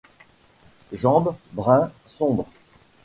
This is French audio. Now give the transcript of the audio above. Jambe brun sombre.